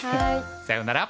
さようなら！